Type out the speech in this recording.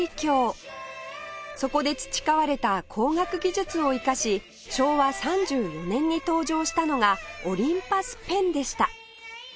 そこで培われた光学技術を生かし昭和３４年に登場したのがオリンパスペンでした